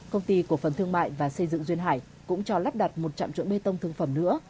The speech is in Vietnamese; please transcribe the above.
công ty cổ phần thương mại và xây dựng duyên hải cũng cho lắp đặt một trạm trộn bê tông thương phẩm nữa